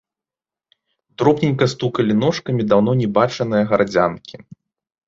Дробненька стукалі ножкамі даўно не бачаныя гарадзянкі.